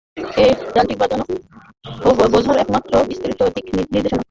এই যন্ত্রটি বাজানো এবং বোঝার একমাত্র বিস্তৃত দিক নির্দেশিকা।